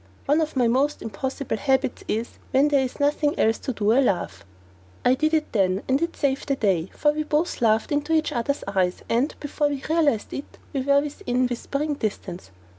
One of my most impossible habits is, when there is nothing else to do I laugh. I did it then, and it saved the day, for we both laughed into each other's eyes, and, before we realised it, we were within whispering distance.